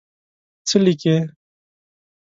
څه لیکې.